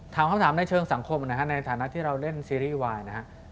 ถามคำถามในเชิงสังคมนะฮะในฐานะที่เราเล่นซีรีส์วายนะฮะ